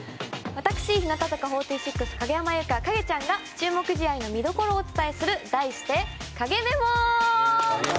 私、日向坂４６影山優佳影ちゃんが注目試合の見どころをお伝えする題して、影メモ！